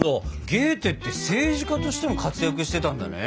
ゲーテって政治家としても活躍してたんだね！